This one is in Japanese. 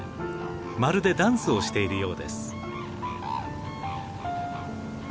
まるでダンスをしているようです。